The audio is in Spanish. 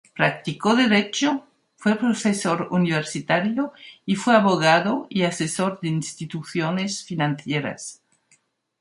Practicó derecho, fue profesor universitario, y fue abogado y asesor de instituciones financieras.